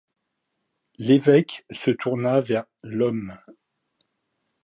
L'évêque se tourna vers l'homme.